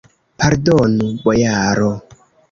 Pardonu, bojaro!